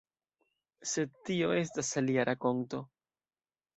Sed tio estas alia rakonto.